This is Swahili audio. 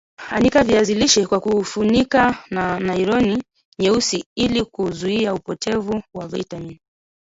Anika viazi lishe kwa kufunika na naironi nyeusi ili kuzuia upotevu wa vitamini